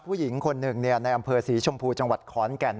ผู้หญิงคนหนึ่งในอำเภอศรีชมพูจังหวัดขอนแก่น